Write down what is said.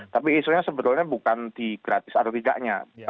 tapi isunya sebetulnya bukan di gratis atau tidaknya